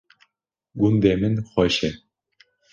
gundê min xweş e